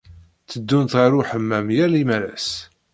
Tteddunt ɣer uḥemmam yal imalas.